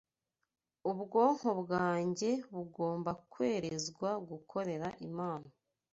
Ubwonko bwanjye bugomba kwerezwa gukorera Imana